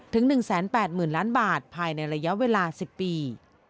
ถึง๑๘๐๐๐ล้านบาทภายในระยะเวลา๑๐ปี